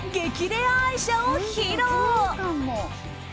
レア愛車を披露。